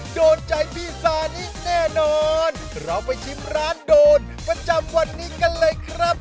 โดนใจพี่ซานิแน่นอนเราไปชิมร้านโดนประจำวันนี้กันเลยครับ